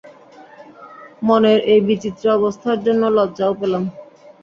মনের এই বিচিত্র অবস্থার জন্যে লজ্জাও পেলাম।